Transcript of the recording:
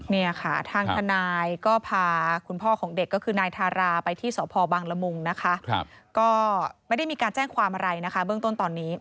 เนี่ยค่ะทางทนายก็พาคุณพ่อของเด็กก็คือนายทาราไปที่สพบังละมุงนะคะก็ไม่ได้มีการแจ้งความอะไรนะคะเบื้องต้นตอนนี้